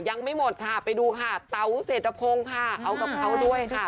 ยังไม่หมดค่ะไปดูค่ะเต๋าเศรษฐพงศ์ค่ะเอากับเขาด้วยค่ะ